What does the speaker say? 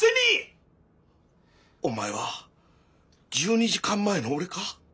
おまえは１２時間前のおれか？